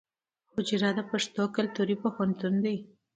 حجره د پښتنو کلتوري پوهنتون دی.